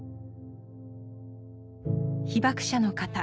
被爆者の方